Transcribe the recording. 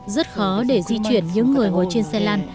rất khó để di chuyển những người ngồi trên xe lan